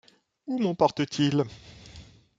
Où m’emporte-t-il ?